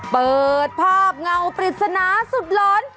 เปิดภาพเงาปริศนาสุดหลอน